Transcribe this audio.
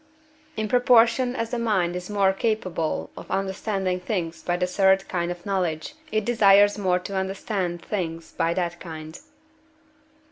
In proportion as the mind is more capable of understanding things by the third kind of knowledge, it desires more to understand things by that kind.